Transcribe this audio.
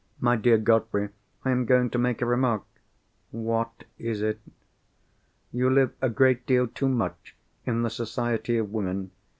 My dear Godfrey, I am going to make a remark." "What is it?" "You live a great deal too much in the society of women.